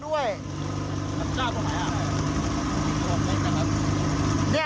นี่มีเด็กติดอยู่